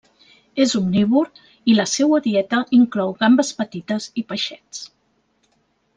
És omnívor i la seua dieta inclou gambes petites i peixets.